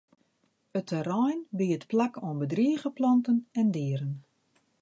It terrein biedt plak oan bedrige planten en dieren.